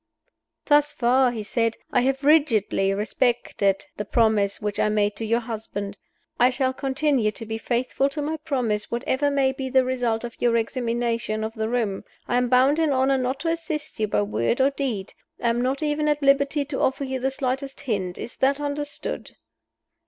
"Thus far," he said, "I have rigidly respected the promise which I made to your husband. I shall continue to be faithful to my promise, whatever may be the result of your examination of the room. I am bound in honor not to assist you by word or deed. I am not even at liberty to offer you the slightest hint. Is that understood?"